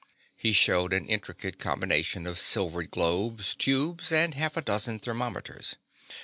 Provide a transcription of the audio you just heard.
He showed an intricate combination of silvered globes, tubes, and half a dozen thermometers.